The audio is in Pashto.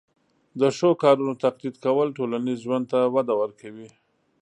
د ښو کارونو تقلید کول ټولنیز ژوند ته وده ورکوي.